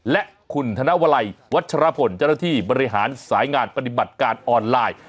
และคุณธนวลัยวัชรพลเจ้าหน้าที่บริหารสายงานปฏิบัติการออนไลน์